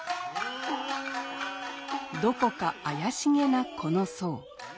どこか怪しげなこの僧。